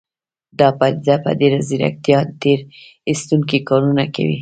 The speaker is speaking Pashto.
دا پديده په ډېره ځيرکتيا تېر ايستونکي کارونه کوي.